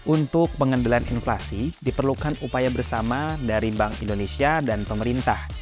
untuk pengendalian inflasi diperlukan upaya bersama dari bank indonesia dan pemerintah